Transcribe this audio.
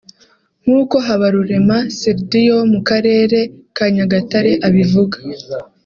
nk’uko Habarurema Syldio wo mu karere ka Nyagatare abivuga